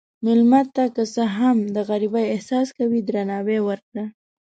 مېلمه ته که څه هم د غریبۍ احساس کوي، درناوی ورکړه.